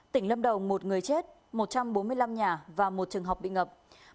tỉnh lâm đồng một người chết một trăm bốn mươi năm nhà và một trường học bị ngập